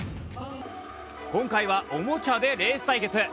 今回は、おもちゃでレース対決。